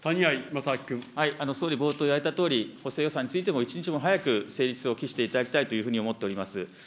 総理、冒頭言われたとおり、補正予算についても、一日も早く成立を期していただきたいというふうに思っております。